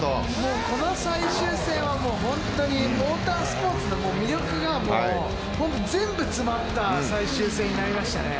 この最終戦はホントにモータースポーツの魅力が全部詰まった最終戦になりましたね。